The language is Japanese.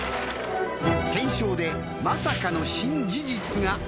検証で、まさかの新事実が。